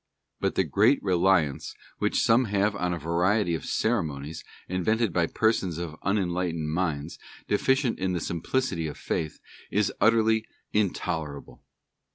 But the great reliance which some have on a variety of Ceremonies invented by persons of unenlightened minds, deficient in the simplicity of faith, is utterly intolerable.